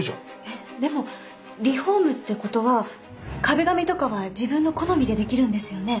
えっでもリフォームってことは壁紙とかは自分の好みでできるんですよね？